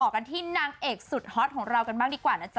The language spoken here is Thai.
กันที่นางเอกสุดฮอตของเรากันบ้างดีกว่านะจ๊